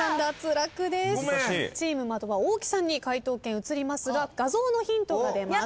チーム的場大木さんに解答権移りますが画像のヒントが出ます。